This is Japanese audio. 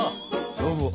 どうも。